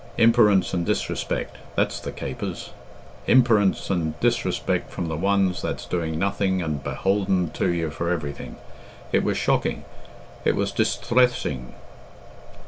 Imperence and dis respeck that's the capers! Imperence and disrespeck from the ones that's doing nothing and behoulden to you for everything. It was shocking! It was disthressing!